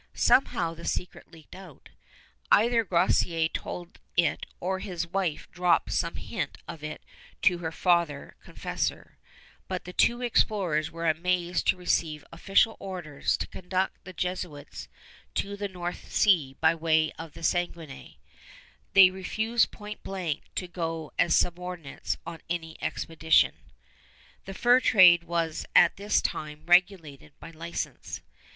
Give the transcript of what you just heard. Somehow the secret leaked out. Either Groseillers told it or his wife dropped some hint of it to her father confessor; but the two explorers were amazed to receive official orders to conduct the Jesuits to the North Sea by way of the Saguenay. They refused point blank to go as subordinates on any expedition. The fur trade was at this time regulated by license.